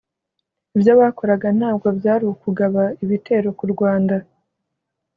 Ibyo bakoraga ntabwo byari ukugaba ibitero ku Rwanda